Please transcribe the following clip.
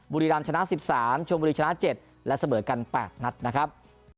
บุรีรำชนะ๑๓ชมบุรีชนะ๗และเสมอกัน๘นัดนะครับ